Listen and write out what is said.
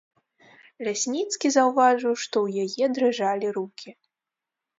Лясніцкі заўважыў, што ў яе дрыжалі рукі.